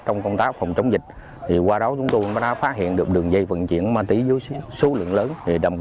trong công tác phòng chống dịch qua đó chúng tôi đã phát hiện được đường dây vận chuyển ma túy với số lượng lớn